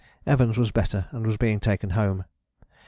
Evans was better and was being taken home.